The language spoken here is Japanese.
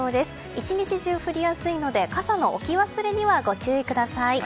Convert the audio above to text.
１日中降りやすいので傘の置き忘れにはご注意ください。